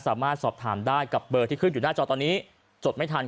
สามารถสอบถามได้กับเบอร์ที่ขึ้นอยู่หน้าจอตอนนี้จดไม่ทัน